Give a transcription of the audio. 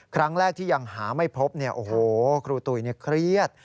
ครั้งแรกที่ยังหาไม่พบเนี่ยโอ้โหครูตุ๋ยเครียด